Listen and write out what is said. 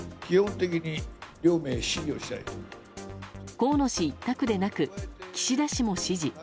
河野氏一択でなく岸田氏も支持。